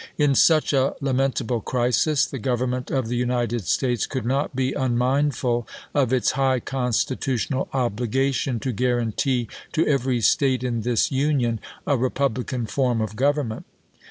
In such a lament able crisis, the Government of the United States could not be unmindful of its high constitutional obligation to guar antee to every State in this Union a republican form of government.